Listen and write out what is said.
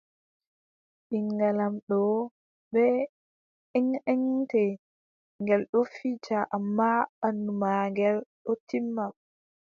Ɓinngel am ɗon bee enʼente, ngel ɗon fija ammaa ɓanndu maagel ɗon timma.